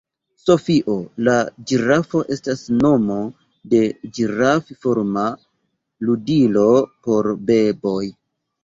Sofio la ĝirafo estas nomo de ĝiraf-forma ludilo por beboj.